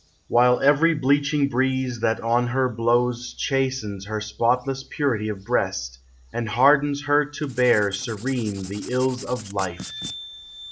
L While every bleaching breeze that on her blows Chastens her spotless purity of breast, And hardens her to bear Serene the ills of life.